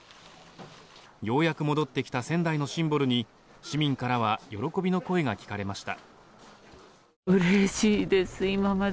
ようやく戻ってきた仙台のシンボルに市民からは喜びの声が聞かれました。